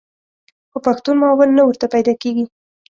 خو پښتون معاون نه ورته پیدا کېږي.